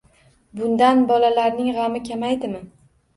Bundan bolarning g'ami kamaydimi?